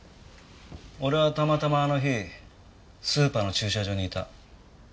俺はたまたまあの日スーパーの駐車場にいた。